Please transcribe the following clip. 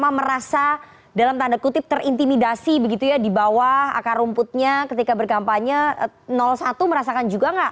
karena merasa dalam tanda kutip terintimidasi begitu ya di bawah akar rumputnya ketika berkampanye satu merasakan juga nggak